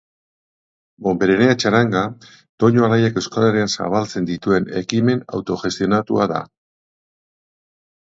Bonberenea txaranga, doinu alaiak Euskal Herrian zabaltzen dituen ekimen autogestionatua da.